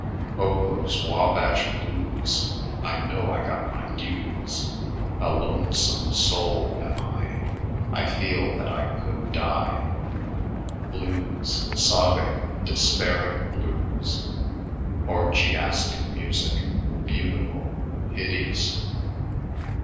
"Oh, those Wabash Blues I know I got my dues A lone some soul am I I feel that I could die..." Blues, sobbing, despairing blues.... Orgiastic music beautiful, hideous!